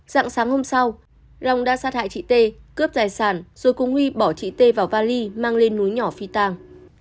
sáng sáng hôm sau long đã sát hại chị tê cướp tài sản rồi cùng huy bỏ chị tê vào vali mang lên núi nhỏ phi tàng